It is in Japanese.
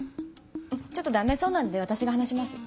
ちょっとダメそうなんで私が話します。